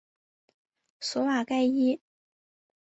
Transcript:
索瓦盖伊。